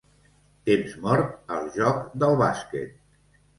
Temps mort al joc del bàsquet.